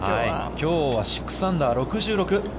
きょうは６アンダー、６６。